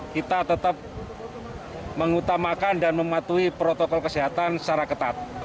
kita tetap mengutamakan dan mematuhi protokol kesehatan secara ketat